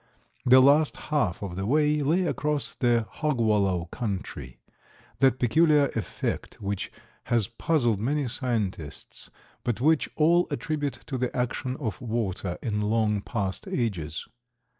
The last half of the way lay across the hog wallow country, that peculiar effect which has puzzled many scientists, but which all attribute to the action of water in long past ages.